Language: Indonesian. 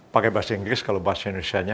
pakai bahasa inggris kalau bahasa indonesianya